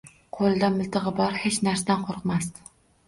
Qo’lida miltig’i bor, hech narsadan qo’rqmasdi.